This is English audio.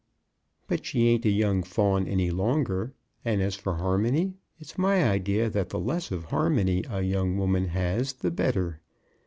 "But she ain't a young fawn any longer; and as for harmony, it's my idea that the less of harmony a young woman has the better.